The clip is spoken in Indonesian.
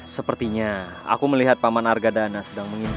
sepertinya aku melihat paman argadana sedang mengisi